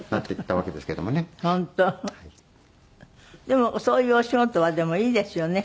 でもそういうお仕事はいいですよね。